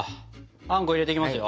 あんこ入れていきますよ。